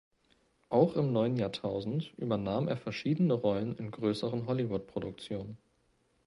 Auch im neuen Jahrtausend übernahm er verschiedene Rollen in größeren Hollywoodproduktionen.